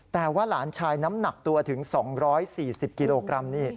แต่ว่าหลานชายน้ำหนักตัวถึง๒๔๐กิโลกรัมนี่